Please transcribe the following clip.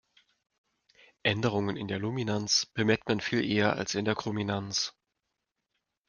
Änderungen in der Luminanz bemerkt man viel eher als in der Chrominanz.